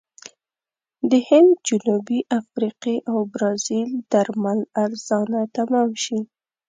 د هند، جنوبي افریقې او برازیل درمل ارزانه تمام شي.